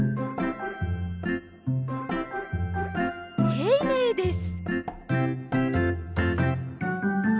ていねいです。